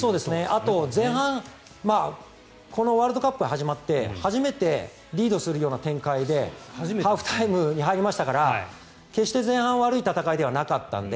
前半このワールドカップが始まって初めてリードするような展開でハーフタイムに入りましたから決して前半悪い戦いではなかったので。